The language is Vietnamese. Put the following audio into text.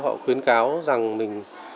họ khuyến cáo rằng mình